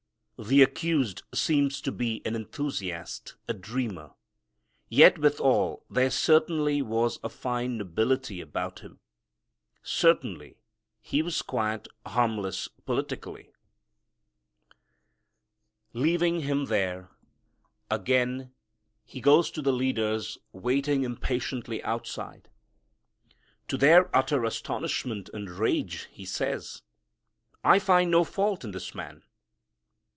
The accused seems to be an enthusiast, a dreamer, yet withal there certainly was a fine nobility about Him. Certainly He was quite harmless politically. Leaving Him there, again he goes to the leaders waiting impatiently outside. To their utter astonishment and rage he says, "I find no fault in this man."